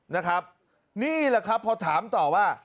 นะครับนี่ล่ะพอถามต่อว่า